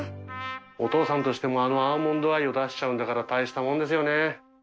お父さんとしてもあのアーモンドアイを出しちゃうんだから大したもんですよね。